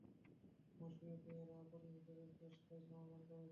মসিয়ে Poirot, আপনি মিশরের কেসটার সমাধান করেছেন!